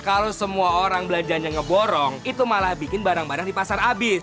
kalau semua orang belanjanya ngeborong itu malah bikin barang barang di pasar habis